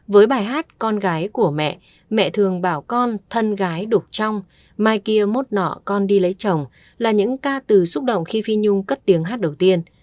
với bài hát con gái của mẹ mẹ thường bảo con thân gái đục trong mai kia mốt nọ con đi lấy chồng là những ca từ xúc động khi phi nhung cất tiếng hát đầu tiên